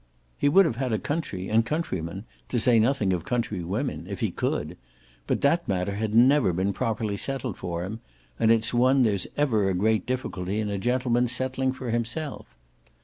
He would have had a country and countrymen, to say nothing of countrywomen, if he could; but that matter had never been properly settled for him, and it's one there's ever a great difficulty in a gentleman's settling for himself.